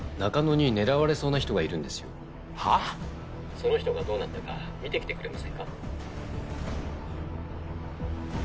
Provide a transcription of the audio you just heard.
「その人がどうなったか見てきてくれませんか？」